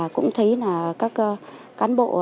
cũng thấy là các cán bộ